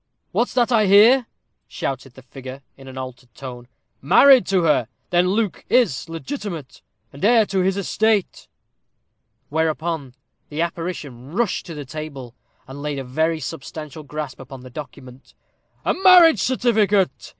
"What's that I hear?" shouted the figure, in an altered tone. "Married to her! then Luke is legitimate, and heir to this estate!" Whereupon the apparition rushed to the table, and laid a very substantial grasp upon the document. "A marriage certificate!"